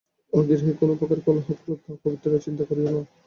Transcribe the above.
ঐ গৃহে কোন প্রকার কলহ ক্রোধ বা অপবিত্র চিন্তা করিও না।